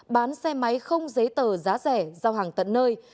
bán xe máy không giấy tờ giá rẻ giao hàng tận nơi